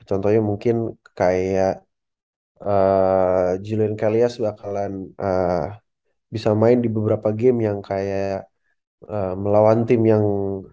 contohnya mungkin kayak julian kellyas bakalan bisa main di beberapa game yang kayak melawan tim yang